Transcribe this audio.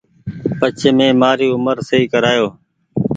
پڇي مين مآري اومر سئي ڪرايو